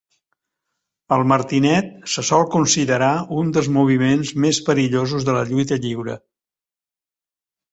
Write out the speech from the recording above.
El martinet se sol considerar un dels moviments més perillosos de la lluita lliure.